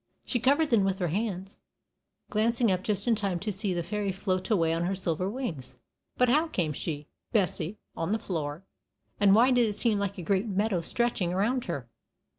She covered them with her hands, glancing up just in time to see the fairy float away on her silver wings. But how came she, Bessie, on the floor, and why did it seem like a great meadow stretching around her?